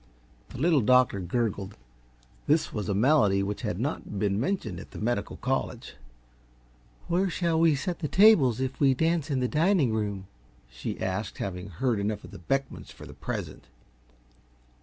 The Little Doctor gurgled. This was a malady which had not been mentioned at the medical college. "Where shall we set the tables, if we dance in the dining room?" she asked, having heard enough of the Beckmans for the present.